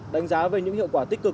đánh giá về những hiệu quả tích cực